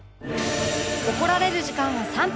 怒られる時間は３分